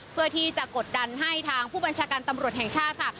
เพื่อที่จะกดดันให้ทางผู้บัญชาการตำรวจแห่งชาติค่ะ